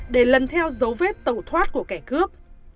để lần theo dấu vết tẩu thoát của kẻ cướp